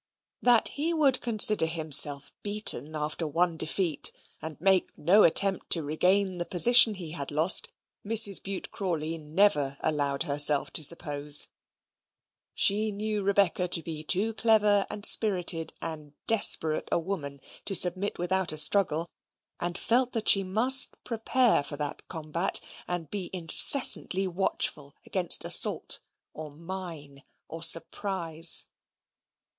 That he would consider himself beaten, after one defeat, and make no attempt to regain the position he had lost, Mrs. Bute Crawley never allowed herself to suppose. She knew Rebecca to be too clever and spirited and desperate a woman to submit without a struggle; and felt that she must prepare for that combat, and be incessantly watchful against assault; or mine, or surprise.